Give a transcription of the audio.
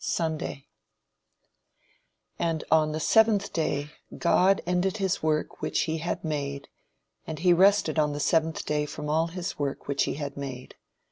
SUNDAY "And on the seventh day God ended his work which he had made, and he rested on the seventh day from all his work which he had made.